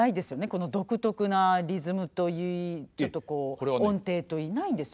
この独特なリズムといいちょっとこう音程といいないですよね？